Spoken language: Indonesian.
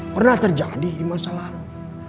pernah terjadi di masa lalu